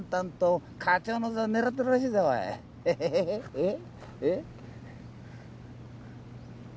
えっ？えっ？